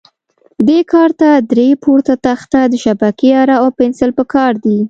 دې کار ته درې پوره تخته، د شبکې اره او پنسل په کار دي.